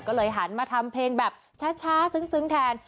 ก็เลยหันมาทำเพลงแบบช้าซึ้งแทน